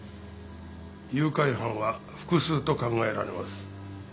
誘拐犯は複数と考えられます。